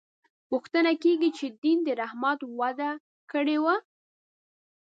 پوښتنه کېږي چې دین د رحمت وعده کړې وه.